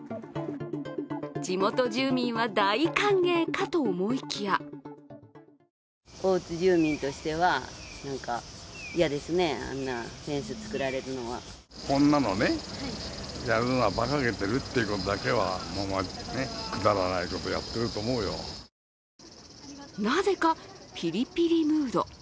地元住民は大歓迎かと思いきやなぜかピリピリムード。